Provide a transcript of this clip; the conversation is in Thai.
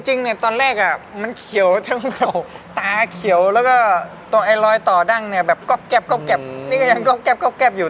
จริงตอนแรกมันเขียวทั้งตาเขียวแล้วก็ตัวไอรอยต่อดั่งก็แก๊บอยู่